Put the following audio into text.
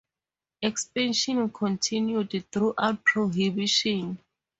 Expansion continued throughout Prohibition.